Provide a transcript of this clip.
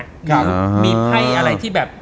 หรือมีไพ่อะไรที่แบบ